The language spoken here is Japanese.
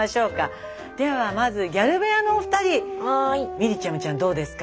みりちゃむちゃんどうですか？